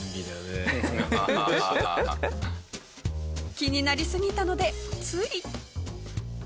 気になりすぎたのでつい。